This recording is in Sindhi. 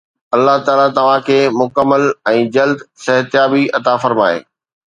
الله تعاليٰ توهان کي مڪمل ۽ جلد صحتيابي عطا فرمائي.